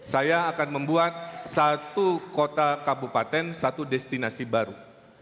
saya akan membuat satu kota kabupaten satu destinasi baru